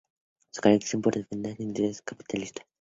Se caracterizan por defender unas ideas anticapitalistas.